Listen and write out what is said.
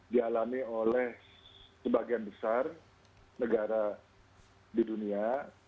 dialami oleh sebagian besar negara di dunia